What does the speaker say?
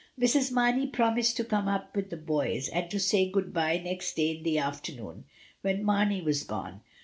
Mrs. Marney pro mised to come up with the boys, and to say good bye next day in the afternoon, when Marney was gone.